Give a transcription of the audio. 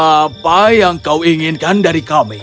apa yang kau inginkan dari kami